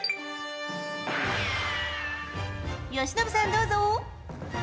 由伸さん、どうぞ。